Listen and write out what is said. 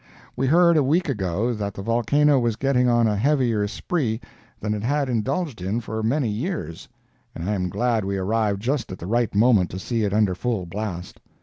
We heard a week ago that the volcano was getting on a heavier spree than it had indulged in for many years, and I am glad we arrived just at the right moment to see it under full blast.